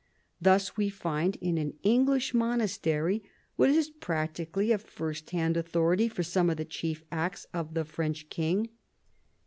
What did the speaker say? Thus we find in an English monastery what is practically a first hand authority for some of the chief acts of the French king.